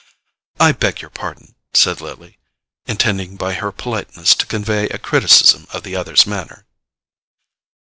"I beg your pardon," said Lily, intending by her politeness to convey a criticism of the other's manner.